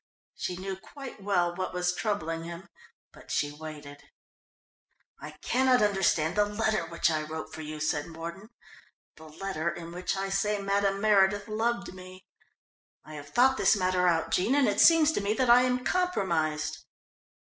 She knew quite well what was troubling him, but she waited. "I cannot understand the letter which I wrote for you," said Mordon. "The letter in which I say Madame Meredith loved me. I have thought this matter out, Jean, and it seems to me that I am compromised."